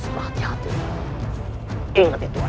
susah dirolah sini